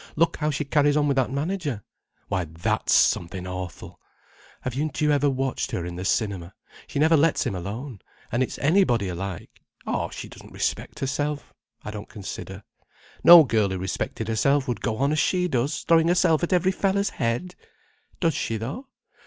Look how she carries on with that manager. Why, that's something awful. Haven't you ever watched her in the Cinema? She never lets him alone. And it's anybody alike. Oh, she doesn't respect herself. I don't consider. No girl who respected herself would go on as she does, throwing herself at every feller's head. Does she, though?